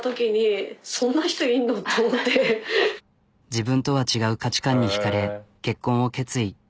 自分とは違う価値観に引かれ結婚を決意。